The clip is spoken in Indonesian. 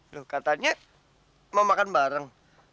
loh katanya mau makan bareng